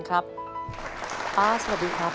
ป้าสวัสดีครับ